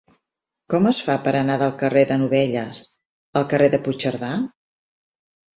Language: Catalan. Com es fa per anar del carrer de Novelles al carrer de Puigcerdà?